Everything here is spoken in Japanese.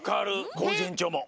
コージえんちょうも。